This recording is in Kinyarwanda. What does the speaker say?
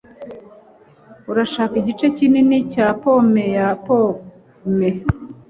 Urashaka igice kinini cya pome ya pome?